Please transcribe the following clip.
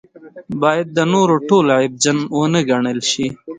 باید د نورو ټول عیبجن ونه ګڼل شي.